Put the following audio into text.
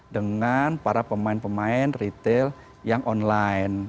dengan para pemain pemain retail yang online